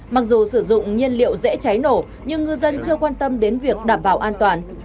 mặc dù sử dụng nhiên liệu dễ cháy nổ nhưng ngư dân chưa quan tâm đến việc đảm bảo an toàn